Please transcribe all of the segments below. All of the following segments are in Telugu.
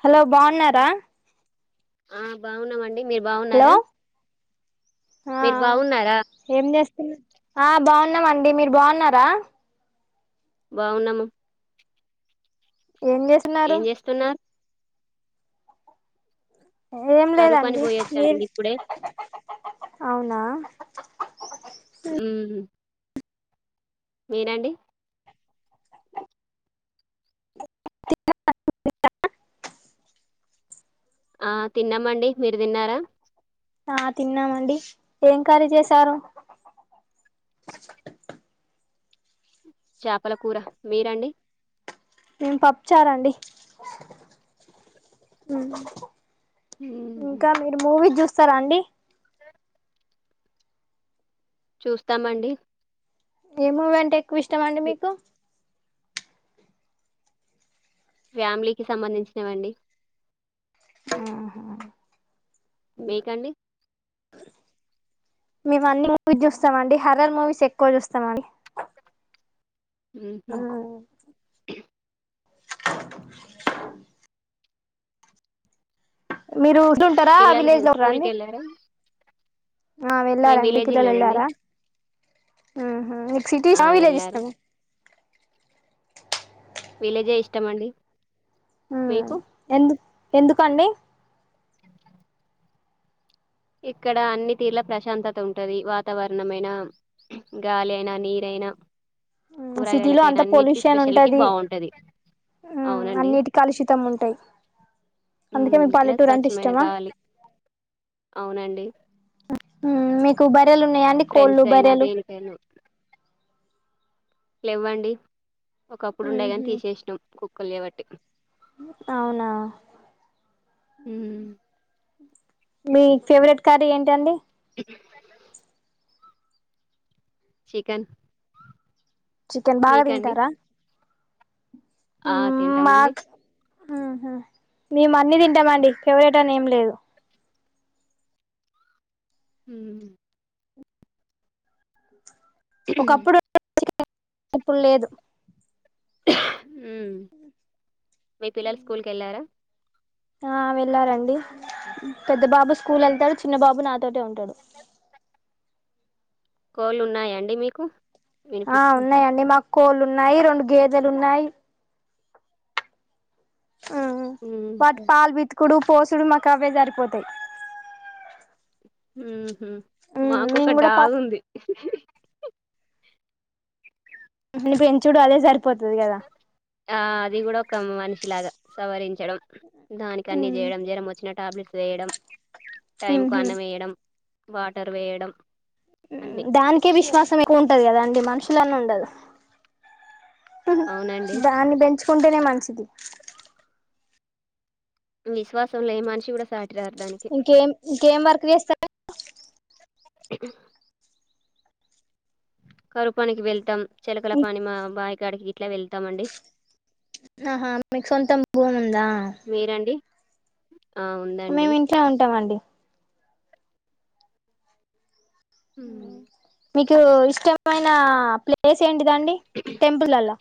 హలో బాగున్నారా ఆ బాగున్నామన్ హలో హా మీరు అ బాగున్నారా ఏం చేస్ ఆ బాగున్నామండి మీరు బాగున్నారా బాగున్నాము ఏం చేసిన్నారు ఏం చేస్తున్నారు ఏం కరువు పని లేదండి మీరు పోయొచ్చానండి ఇప్పుడే అవునా ఉమ్ మీరండి తిన్నరా తిన్న ఆ తిన్నామండి మీరు తిన్నారా ఆ తిన్నామండి ఏం కర్రీ చేశారు చాపల కూర మీరండి మేం పప్పుచార అండి ఉమ్ మ్మ్. ఇంకా మీరు మూవీ చూస్ సారా అండి చూస్తామండి ఏమూవి అంటే ఎక్కువ ఇష్టం అండి మీ మీకు ఫ్యామిలీకిి సంబంధించినవండి ఆహా మీకండి మేము అన్ని మూవీస్ చూస్తామ అండి హర్రర్ మూవీస్ ఎక్కువ చూస్తామండి ఉహు మీరు. ఉంటారా పిల్లలు విలేజ్ వ్యూ లో స్కూల్ రండి కి ఏళ్ళారా. ఆ వెళ్ళారండి, పిల్లలు ఏళ్ళారా. ఆ. ఆ మిక్ ఆ సిటీసా, విలేజ్ వెళ్ళారు ఇష్టమా. విలేజే ఇష్టం అండి. ఉమ్ మీకు. ఎందు ఎందుకండి. ఇక్కడ అన్ని తీర్ల ప్రశాంతత ఉంటది. వాతావరణమైనా, గాలి అయినా, నీరైనా. సిటీలో కూరగాయలకైనా అంత అన్నిటికీ పొల్యూషన్ స్పెషాలిటీ ఉంటది బాగవుంటది. అవునండి, అన్నిటి కలుషితం ఉంటాయి అందుకే ఉమ్ మీ ఇగా పల్లెటూరు అంటే స్వచ్ఛమైన ఇష్టమా గాలి. అవునండి. హు హుమ్మ్ మీకు బార్. ర్రెలు ఉన్నాయా అండి. కోళ్ళు, ఫ్రెండ్స్ అయినా బర్రెలు. దేనికైనా లేవ్వండి. ఒకప్పుడు ఉండే గానీ ఉహు తీశేషినం, కుక్కలు చెయ్బట్టి. అవునా ఉమ్ మీ ఫేవరెట్ కర్రీ, ఏంటండి. చికెన్. చికెన్ బాగా మీకండి దింటారా. ఆ తింటామండి. ఉహుమ్ మేమ్ అన్ని తింటామండి. ఫేవరేట్ అని ఏం లేదు. ఉహుమ్. ఒకప్పుడు. [inaudible] [inaudible] ఇప్పుడ్ లేదు. ఉమ్, మీ పిల్లలు స్కూల్కి ఏళ్ళారా. ఆ వెళ్ళారండి. పెద్ద బాబు స్కూల్ ఎళ్తాడు, చిన్న బాబు నాతోటే ఉన్. టడు. కోళ్ళు, ఉన్నాయాండి మీకు. ఆ వినిపిస్తుంది ఉన్నాయండి మాక్. కోళ్ళులున్నాయి, రెండు గేదేలున్నాయి. ఉమ్, వాటి ఉహు పాల్ పిత్కుడు. పోసుడు, మాకు అవ్వే సరిపోతాయి. ఉమ్మ్. హుమ్, మాకొక మేము కూడా పా డాగ్ ఉంది. [unintelligible] పెంచుడు, అదే సరిపోతది గదా. ఆ అది కూడా ఒక మనిషిలాగా సవరిం చడం దానికి అన్ని జేయడం జరమొచ్చిన టాబ్లెట్స్ వేయడం టైం కు ఉహు అన్నం వేయడం వాటర్ వేయడం అన్ని దానికీ విశ్వాసమే క్కువ ఉంటది కదా అండి మనుషులన్న ఉండదు అవునండి దాన్ని బెంచ్ కుంటేనే మంచిది విశ్వాసం లే మనిషి కూడా సా ఇంకేం ఇంకేం వర్క్ చేస్తారు అ కరువుపనికి వెళ్తాం చెలకల పని మా బాయి కాడికి గిట్లా వెళ్ ళ్తాం అండి ఆహా మీకు సొంతం భూమి ఉందా మీరండి ఆ ఉందండి మేము ఇంట్లో ఉంటామండి ఉ మీకు ఇష్టమైన ప్లేస్ ఏంది గాండి టెంపులలో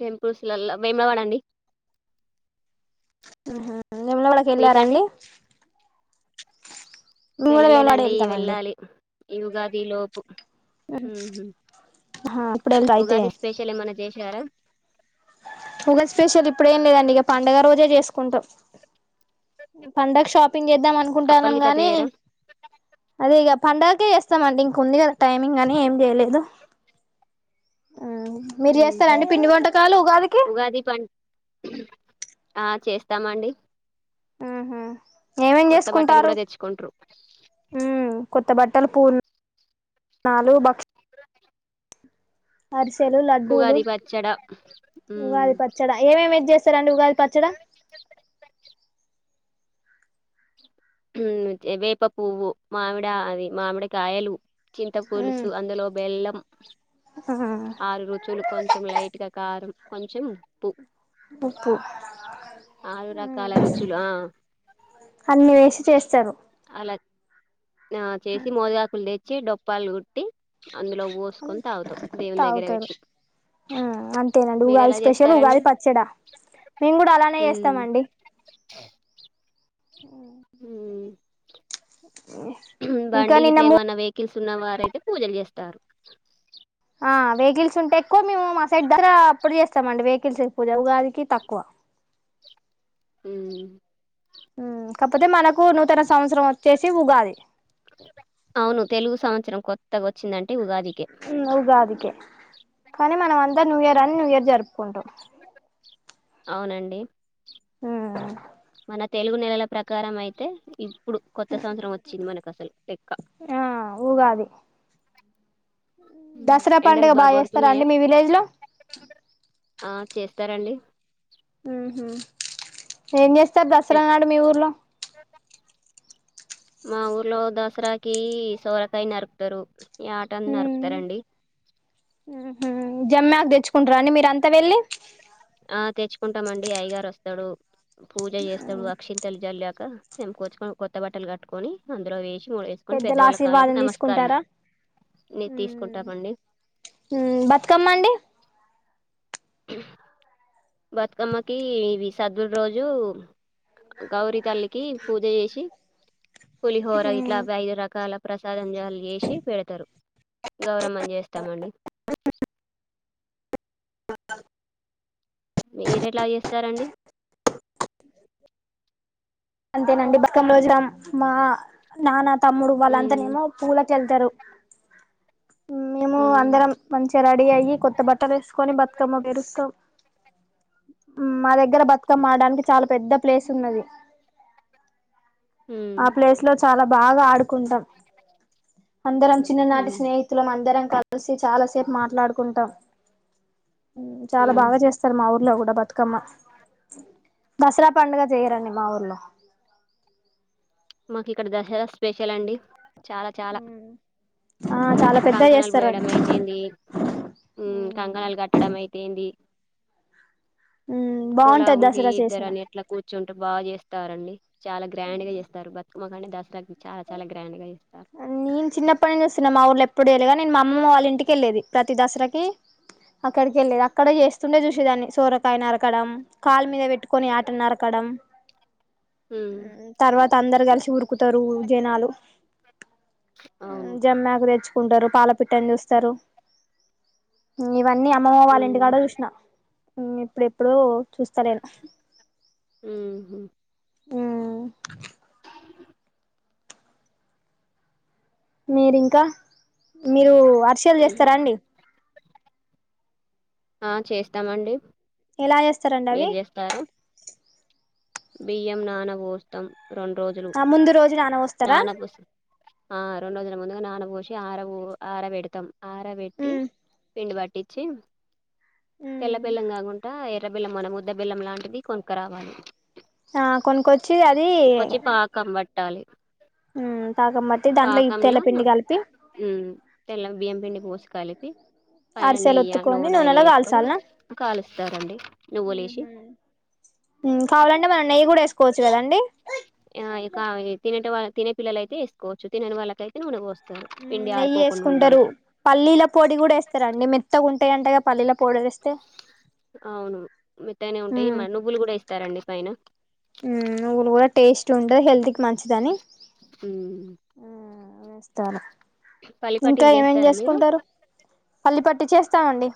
టెంపుల్సల్లో వేమవాడండి ఆహ నేములవాడకి మీకండి వెళ్ళారండి మేము కూడా మేములాడ వెళ్ళలేదండి వెళ్తామండి వెళ్ళాలి ఈ ఉగాది లోపు ఊహు ఆహా ఇప్పుడు వెళ్తా అయితే ఉగాది స్పెషల్ ఏమన్నా చేసారా ఉగాది స్పెషల్ ఇప్పుడేం లేదండి ఇక పండుగ రోజే చేసుకుంటాం పండక్ షాప్ షాపింగ్ చేద్దాం అప్పలు అనుకుంటాన్నాం గిట్లా గానీ చేయరా అదే. ఇగప్ పండుగకి చేస్తామండి ఇంక ఉంది గదా టైమింగ్ అనీ ఏం జేయలేదు ఆ మీరు ఉహు జేస్తారండి పిండి వంటకాలు ఉగాదికి ఉగాది పం త్తాం అండి ఆహా ఏమేం చేసుకుంటారు కూడా తెచ్చుకుంట్రు ఊ కొ కొత్త బట్టలు పూల్ నాలుగు బక్స్ అరి లు లడ్డూలు ఉగాది పచ్చడ ఉమ్ ఉగాది పచ్చడా ఏమేమి చేస్త చేస్తారు అండి ఉగాది పచ్చడా హ్మ్ వేప పువ్వు మామిడి అది మామిడి కాయలు చింత ఉమ్ పులుసు అందులో బెల్లం ఆరు రుచులు కొంచెం లైట్ గా కారం కొంచెం ఉప్పు ఆరు ఉమ్ రకాల రుచులు ఆ అన్నీ వేసి చేస్త సారు అలా ఆ చేసి మోదగాకులు తే చి డోపాల్లు కు దేవుని దగ్గర తాగుతారు పెట్టి అంతేనండి మీరు ఉగాది ఎలా స్పెషల్ చేస్తారండి ఉగాది పచ్చడా మేము కూడా అలానే మ్ చేస్తామండి ఉమ్ ఉమ్ ఇంకా నిన్న మూ కలుసున్న వారయితే పూజలు చేస్తారు ఆ వెహికల్స్ ఉంటే ఎక్కువ మేము మా సైడ్ దసరా అప్పుడు చేస్తామ అండి వెహికల్స్ పూజా ఉగాదికి తక్కువ ఉమ్ ఉమ్ కాకపోతే మనకు నూతన సంవత్సరం వచ్చేసి ఉగాది అవును తెలుగు సంవత్సరం కొత్త తగ వచ్చిందంటే ఉగాదికే ఉగాదికే కానీ మనం అంతా న్యూ ఇయర్ అని న్యూ ఇయర్ జరుపుకుంటాం అవునండి ఉమ్ మన తెలుగు నెలల ప్రకారం అయితే కొత్త సంవత్సరం వచ్చింది మనకు అసలు లెక్క ఆ ఉగాది దసరా ఎండలు పండుగ బాగా చేస్తారా కొడుతున్నాయా అండి మీ విలేజ్ లో స్తారంండి మ్మ్ ఏం చేస్త సార్ దసరానాడు మీ ఊరిలా మా ఊర్లో దసరాకి సోరకాయ నరుకుతారు ఈ యాటని నరుకుతారండి ఉహూ జమ్మకు తెచ్చుకుంటారు అండి మీరు అంతా వెళ్ళి ఆ తెచ్చుకుంటామండి అయ్యగారు వస్తాడు పూజ చేస్తాడు అక్షింతలు జల్ లేక మేము కూచుకోని కొత్త బట్టలు కట్టుకొని అందులో వేసి మ వేసుకొని పెద్దల పెద్దవాళ్ళ కాళ్ళకు ఆశీర్వాదం నమస్కారం తీసుకుంటారా నే ఉమ్ తీసుకుంటామండి బతుకమ్మండి బతుకమ్మకి ఇవి సద్దుల రోజు గౌరీ తల్లికి పూజ జేసి పులిహోర ఇట్లా అవి ఐదు రకాల ప్రసాదం చేసి పెడతారు గౌరమ్మని చేస్తామండి స మీరు ఎట్లా చేస్తారండి అంతేనండి బక్కం రోజుగా మా నాన్న తమ్ముడు ఉమ్ వాళ్ళంతానేమో పూల కేల్తరు మేము ఉమ్ అందరం మంచిగా రెడీ అయ్యి కొత్త బట్టలు వేసుకొని బతుకమ్మ పెరుస్తాం మా దగ్గర బతుకమ్మ ఆడడానికి చాలా పెద్ద ప్లేస్ ఉన్నది ఉమ్ ఆ ప్లేస్ లో చ చాలా బాగా ఆడుకుంటాం అందరం చిన్ననాటి ఉమ్ స్నేహితులం అందరం కలిసి చాలాసేపు మాట్లాడుకుంటాం హ్మ్మ్ చాలా ఉమ్ బాగా చేస్తారు మా ఊర్లో కూడా బతుకమ్మ దసరా పండుగ చేయరండి మా ఊర్లో మాకు ఇక్కడ దసరా స్పెషల్ అండి చాలా చాలా ఉమ్ ఆ చాలా పెద్ద కంకణాలు చేస్తారు పోయడం అయితేంది కంకణాలు కట్టడం అయితేంది బాగుంటది కులంకి దసరా ఇద్దరు చేసిన అని ఎట్లా కూర్చుంటే బాగా చేస్తారుండి చాలా గ్రాండ్ గా చేస్తారు బ మాకండి దసరాకి చాలా చాలా గ్రాండ్ గా చేస్తారు నేను చిన్నపాటి నుంచి చూసిన మా ఊర్ళ ఇప్పుడు వెళగా నేను మా అమ్మమ్మ వాళ్ళ ఇంటికిెళ్ళేది ప్రతి దసరాకి అక్కడికి వెళ్ళేది అక్కడ చేస్తుండే చూసేదాన్ని సోరకాయ నరకడం కాళ్లు మీద పెట్టుకొని ఆటను నరకడం ఉమ్ తర్వాత అందరు కలిసి ఊరుకుతారు జనాాలు అవును జమ్మి ఆకు తెచ్చి ంటారు పాలపిట్టని చూస్తారు ఇవన్నీ అమ్మమ్మ వాళ్ళ ఉమ్ ఇంటి కాడ జూసిన ఇప్పుడు ఎప్పుడు చూస్తాలేను ఉమ్ ఉమ్. వ మీరు ఇంకా మీరు వర్షలు చేస్తారా అండి ఆ చేస్తామండి ఎలా చేస్తారండి అవి మీరు చేస్తారా బియ్యం నానవోస్తం కా ముందు రోజు నానవోస్తారా నానబోసి ఆ రెండు రోజుల ముందుగా నాన పోసి ఆర వో ఆర వెడతాం ఆర పెట్టి పిండి పట్టించి ఉమ్ తెల్లబెల్లం కాకుండా ఎర్ ఉద్ద బిల్లం మనము ఉద్ద బెల్లం లాంటిది కొనుకరావాలి ఆ కొనుకచ్చి అది టాలి ఉమ్ పాకం బట్టి దాంట్లో ఈ పాకంలా తెల్ల పిండి కలిపి ఉ తెల్ల బియ్యం పిండి పోసి కలిపి పైన అరిసెలు నెయ్యి ఒత్తుకొని నూన నూనెలో వేసుకొని కాల్చాలనా కాలుస్తారండి నువ్వులు ఏసి ఉమ్ కావాలంటే మనం నెయ్యి కూడా వేకోవచ్చు కదండి ఆ, ఇక తినేట వాళ్ళ తినే పిల్లలు అయితే ఏసుకోవచ్చు తినని వాళ్ళకు అతే నూనె పోసు ఉ నెయ్యి వేసుకుంటారు పల్లీల పొడి కూడా వేస్తారు అండి మెత్తగున్ పేంటేయ్ అంటాయా పల్లిలా పౌడర్ ఏసు అవును మెత్తాగానే ఉంటాయి ఉమ్ మ నువ్వులు కూడా ఏయ్ తారండి పైన నువ్వులు కూడా టేస్ట్ ఉంటుది హెల్త్ కి మంచిదని వొస్తారా ఇంకా పల్లిపట్టీలు ఏమేం చేస్తారా మీరు చేసుకుంటారు పల్లి పట్టి చేస్తామండి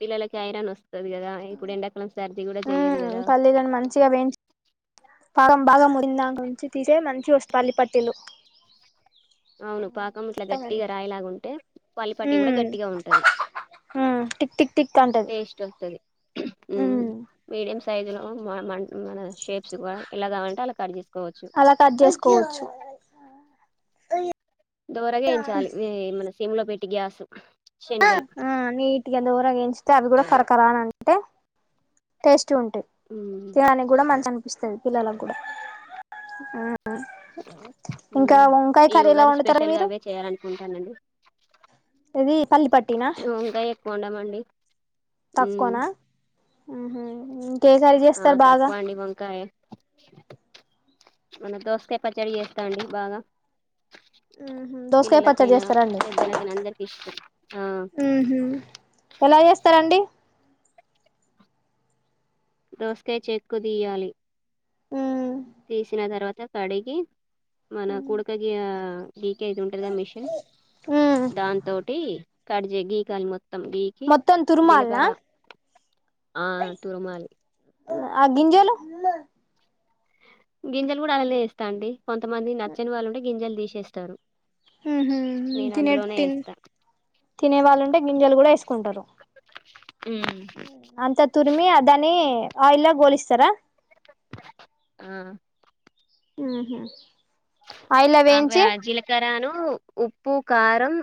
పిల్లలకి ఐరన్ వస్తాది కదా ఇప్పుడు ఎండా కు ఉమ్ సర్ది కూడా చెయదు ఉమ్ కదా పల్లీలను మంచిగా వేయించి పాకం బాగా ముడింద నుంచి తీసే మంచిగా వస్తు పల్లి పట్టీలు అవును పాకం ఇట్ల గట్టిగా రాయిలాగుంటే పల్లి పట్టి కూడా ఉమ్ గట్టిగా ఉంటది ఉమ్ టిక్ టిక్ టిక్ అంటది టేస్ట్ వత్తాది ఉ ఉమ్ మీడియం సైజు లో మ మంటున్నది షేప్స్ కూడా ఎలా కావంటే అలా కట్ చేస్ అలా కట్ చేసుకోవచ్చు దోరగా ఎయించాలి మీ మన సిమ్ లో పెట్టి టిగ్యాసు ఆ నీటిగా దోరగాఎంచంచితే అవి కూడా ఫర్క్ కారాన అంటే టెస్ట్ మంచిగా ఉంటాయి ఉమ్ తినడానికి కూడా మంచిగా అనిపిస్తుంది పిల్లలకి కూడా ఆ ఇంకా ఉమ్ వంకాయ ఈ కర్రీ ఎలా ఉగాది వండుతారు స్పెషల్ గా మీరు అవే చేయాలనుకుంటానండి ఇది పల్లిపటి వంకాయ ఎక్కువ వండమండి [inaudible] ఉమ్ తక్కువనా ఉహు ఇంకే కర్రీ ఆ చేస్తారు బాగా తక్కువ అండి వంకాయ మన దోసకాయ పచ్చడి చేస్తాండి బాగా ఉహు దోసకాయ పచ్చడి పిల్లలకైనా చేస్తారండి పెద్దలకైనా అందరికి ఇష్టం ఆ ఉహు ఎలా చేస్తారండి దోసకాయ చెక్కు తీయాలి తీసిన తర్వాత కడిగి మన ఉమ్ కూడక కి గీకేది ఉంటుందా మిషన్ దాని తోటి కడ్ గీకాలి మొత్తం గీకి మొత్తం తురుమాల్నా జీలకర్ర ఆ తిరుమలి ఆ గింజలు గింజలు కూడా అల్లనే వేస్తా అండి కొంతమంది నచ్చని వాళ్లుంటే గింజలు తీసేస్తారు ఉహు నేను తినే అందులోనే తిని వేస్తా తినే వాళ్ళుంటే గింజలు కూడా వేసుకుంటారు అంత తురిమి అ ధాన్ని ఆయిల్ లా గోలిస్తారా ఆ ఉహు ఆయిల్లా అవే వేయించి ఆ జీలకరను ఉప్పు కారం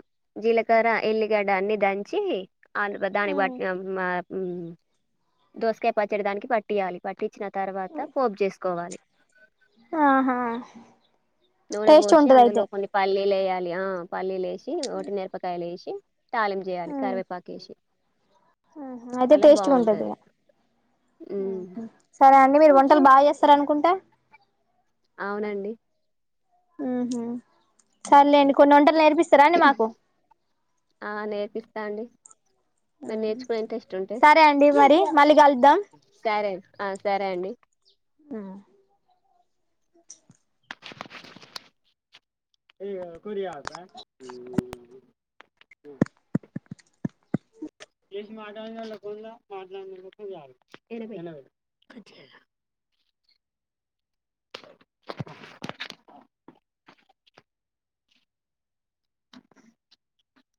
జీలకర ఎల్లిగడ్డ అన్ని దంచి ఆ దానికి పాట్టి [inaudible] దోసకాయ పచ్చడి దానికి పట్టియాలి పట్టి వచ్చిన తర్వాత పోపు చేసుకోవాలి ఆహా నూనె టేస్ట్ పోసి ఉంటది అందులో అయితే కొన్ని పల్లీ లు వెయ్యాలే లా ఆ పల్లీలు వేసి వట్టి నేరపకాయలు ఎసి కి తాలింపు చేయాలి కరివేపాక ఎసి ఉహు అయితే టేస్ట్ గా ఉంటది ఉమ్ ఉహు సరే అం మీరు వంటలు బాగా చేస్తారు అనుకుంట అవునండి హు హు సర్లేండి కొన్ని వంటలు నేర్ ఆ నేర్పిస్తా అండి మీరు నేర్చుకునే ఇంట్రెస్ట్ ఉంటే సరే అండి మరి మళ్ళీ కలుద్దాం సరే ఆ సరే అండి ఆ [unintelligible] [unintelligible]